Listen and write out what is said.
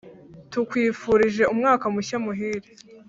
Tukwifurije umwaka mushya muhire